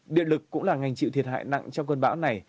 điện lực cũng là ngành chịu thiệt hại nặng trong cơn bão này